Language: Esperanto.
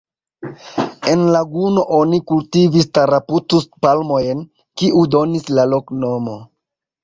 En laguno oni kultivis Taraputus-palmojn, kiu donis la loknomon.